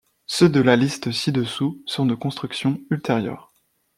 Ceux de la liste ci-dessous sont de construction ultérieure.